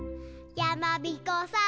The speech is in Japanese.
「やまびこさーん」